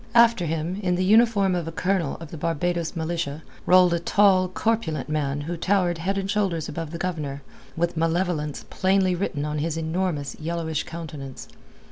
After him, in the uniform of a colonel of the Barbados Militia, rolled a tall, corpulent man who towered head and shoulders above the Governor, with malevolence plainly written on his enormous yellowish countenance.